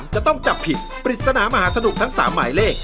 จะต้องจับผิดปริศนามหาสนุกทั้ง๓หมายเลข